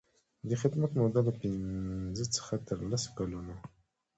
د خدمت موده له پنځه څخه تر لس کلونو.